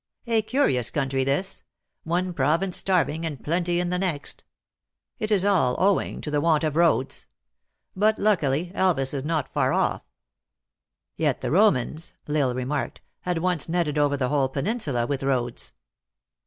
A curious country this: one province starving, and plenty in the next. It is all owing to the want of roads. But, luckily, Elvas is not far off." " Yet the Romans," L Isle remarked, " had once netted over the whole .Peninsula with roads."